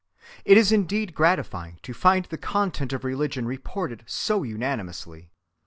It is indeed gratifying to find the content of religion reported so unanimously.